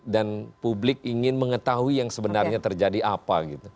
dan publik ingin mengetahui yang sebenarnya terjadi apa gitu